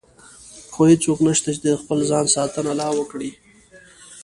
خو هېڅوک نشته چې د خپل ځان ساتنه لا وکړي.